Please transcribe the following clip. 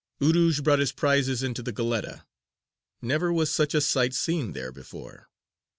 Urūj brought his prizes into the Goletta. Never was such a sight seen there before.